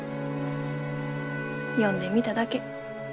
呼んでみただけ。